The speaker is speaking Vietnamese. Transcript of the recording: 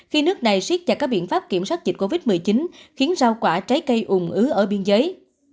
khi nước này siết chặt các biện pháp kiểm soát dịch covid một mươi chín khiến rau quả trái cây ủn ứ ở biên giới